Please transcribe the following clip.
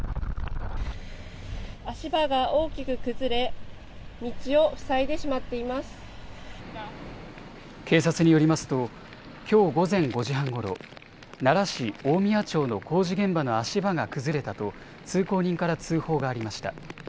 足場が大きく崩れ、警察によりますと、きょう午前５時半ごろ、奈良市大宮町の工事現場の足場が崩れたと、通行人から通報がありました。